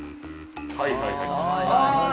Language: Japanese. はいはいはいはい。